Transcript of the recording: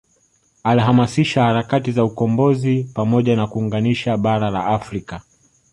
Alihamasisha harakati za ukombozi pamoja na kuunganisha bara la Afrika